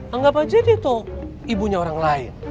anggap aja dia tuh ibunya orang lain